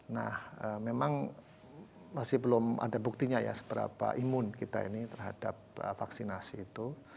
nah memang masih belum ada buktinya ya seberapa imun kita ini terhadap vaksinasi itu